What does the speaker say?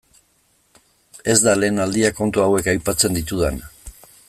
Ez da lehen aldia kontu hauek aipatzen ditudana.